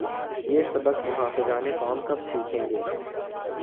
یہ سبق محافظان قوم کب سیکھیں گے؟